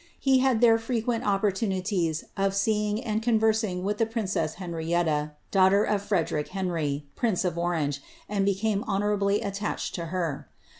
He had there frequent opportunities of seeing and rsing with the princess Henrietta, daughter of Frederick Henry, of Orange, and became honourably attached to her.